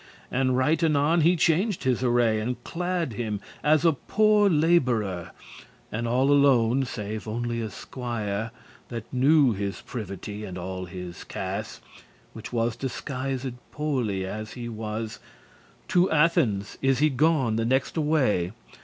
And right anon he changed his array, And clad him as a poore labourer. And all alone, save only a squier, That knew his privity* and all his cas, *secrets fortune Which was disguised poorly as he was, To Athens is he gone the nexte* way.